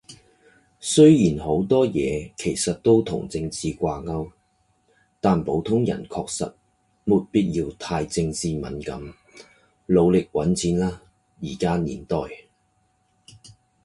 雖然好多嘢其實同政治掛鈎，但普通人確實沒必要太政治敏感。努力搵錢喇依家年代